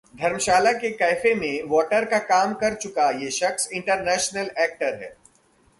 धर्मशाला के कैफे में वेटर का काम कर चुका ये शख्स इंटरनेशनल एक्टर है